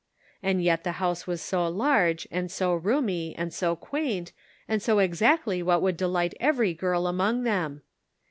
And yet the house was so large, and so roomy, and so quaint, and so exactly what would delight every girl among them